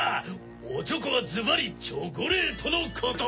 オチョコはズバリチョコレートのこと！